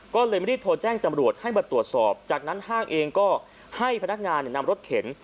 ก็เลยไม่ได้โทรแจ้งตำรวจให้มาตรวจสอบจากนั้นห้างเองก็ให้พนักงานนำรถเข็น